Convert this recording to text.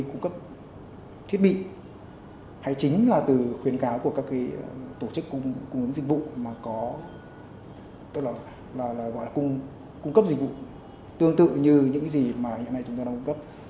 đơn vị cung cấp thiết bị hay chính là từ khuyến cáo của các cái tổ chức cung cấp dịch vụ mà có tức là gọi là cung cấp dịch vụ tương tự như những cái gì mà hiện nay chúng tôi đang cung cấp